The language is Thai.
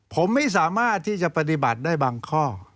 ผมไม่สามารถที่จะปฏิบัติได้บางข้อ